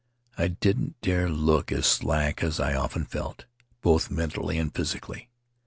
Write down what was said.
I didn't dare look as slack as I often felt, both mentally and physically.